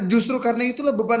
justru karena itulah beban